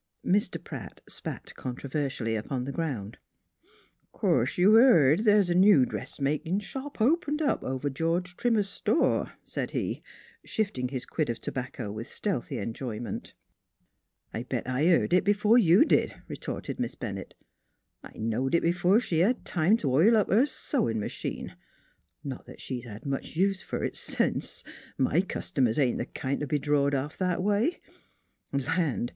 Mr. Pratt spat controversially upon the ground. " 'Course you've heared th's a new dressmakin' shop opened up over George Trimmer's store," said he, shifting his quid of tobacco with stealthy enjoyment. " I bet I heared it b'fore you did," retorted Miss Bennett. " I knowed it b'fore she hed time t' oil up her sewin' m'chine, not that she's hed much use f'r it sence. My cust'mers ain't th' kind t' be drawed off that a way. Land